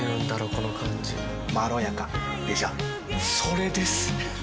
この感じまろやかでしょそれです！